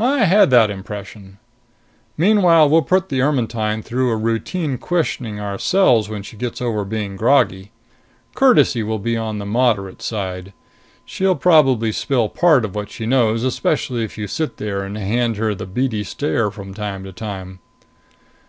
"I had that impression. Meanwhile, we'll put the Ermetyne through a routine questioning ourselves when she gets over being groggy. Courtesy will be on the moderate side. She'll probably spill part of what she knows, especially if you sit there and hand her the beady stare from time to time."